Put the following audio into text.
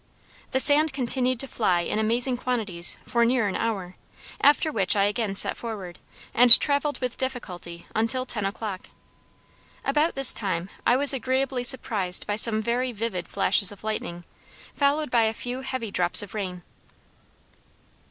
The sand continued to fly in amazing quantities for near an hour; after which I again set forward, and traveled with difficulty, until ten o'clock. About this time, I was agreeably surprised by some very vivid flashes of lightning, followed by a few heavy drops of rain.